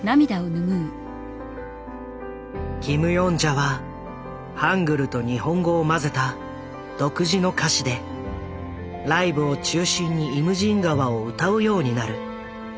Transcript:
キム・ヨンジャはハングルと日本語を交ぜた独自の歌詞でライブを中心に「イムジン河」を歌うようになる。